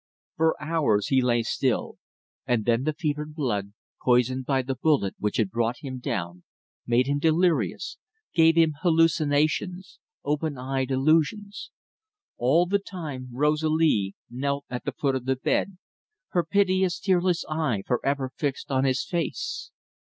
For hours he lay still, and then the fevered blood, poisoned by the bullet which had brought him down, made him delirious, gave him hallucinations open eyed illusions. All the time Rosalie knelt at the foot of the bed, her piteous tearless eyes for ever fixed on his face.